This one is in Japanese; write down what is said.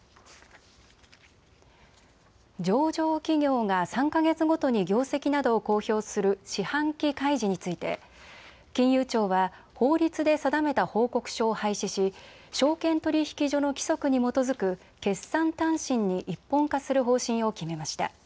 上場企業が３か月ごとに業績などを公表する四半期開示について金融庁は法律で定めた報告書を廃止し証券取引所の規則に基づく決算短信に一本化する方針を決めました。